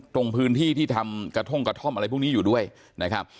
ตรงพื้นที่ที่ทำกระท่องกระท่อมอะไรพวกนี้อยู่ด้วยนะครับ